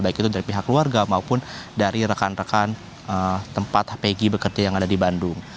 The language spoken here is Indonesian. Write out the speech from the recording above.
baik itu dari pihak keluarga maupun dari rekan rekan tempat pegi bekerja yang ada di bandung